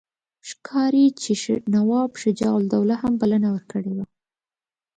ښکاري چې نواب شجاع الدوله هم بلنه ورکړې وه.